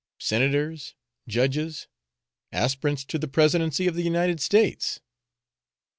senators, judges, aspirants to the presidency of the United States.